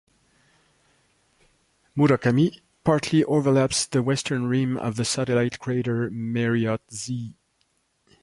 Murakami partly overlaps the western rim of the satellite crater Mariotte Z.